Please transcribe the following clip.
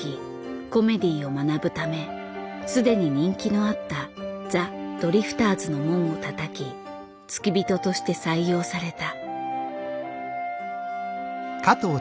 コメディーを学ぶため既に人気のあったザ・ドリフターズの門をたたき付き人として採用された。